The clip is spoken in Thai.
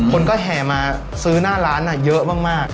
คนก็แห่มาซื้อหน้าร้านเยอะมาก